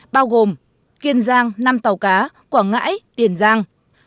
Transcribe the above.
bao gồm kiên giang năm tàu cá quảng ngãi tiền giang